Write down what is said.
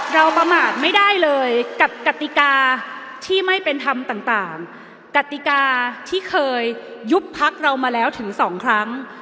ประมาทไม่ได้เลยกับกติกาที่ไม่เป็นธรรมต่างกติกาที่เคยยุบพักเรามาแล้วถึงสองครั้ง